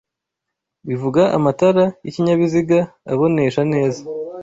bivuga amatara y'ikinyabiziga abonesha neza